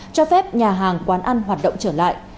cho phép nhà hàng quán ăn hoạt động trở lại